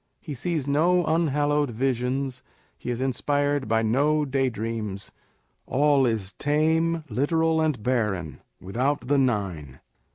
He sees no unhallosved visions, he is inspired by no daydreams. All is tame, literal, and barren, without the Nine.